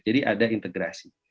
jadi ada integrasi